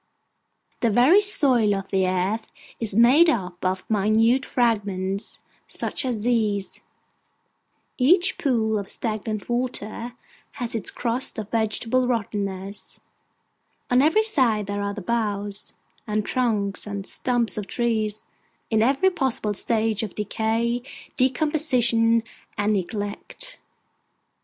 The very soil of the earth is made up of minute fragments such as these; each pool of stagnant water has its crust of vegetable rottenness; on every side there are the boughs, and trunks, and stumps of trees, in every possible stage of decay, decomposition, and neglect.